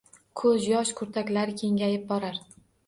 Ko’zyosh kurtaklari kengayib borar